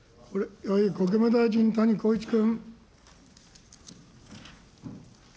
国務大臣、谷公一君。